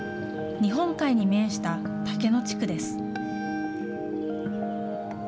日本海に面した竹野地区です。